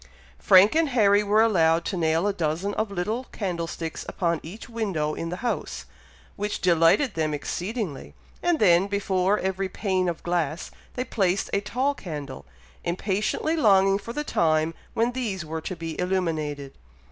Frank and Harry were allowed to nail a dozen of little candlesticks upon each window in the house, which delighted them exceedingly, and then, before every pane of glass, they placed a tall candle, impatiently longing for the time when these were to be illuminated.